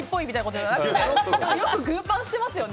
よくグーパンしてますよね。